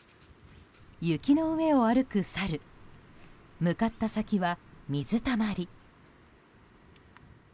雪の上を歩くサル向かった先は水たまり。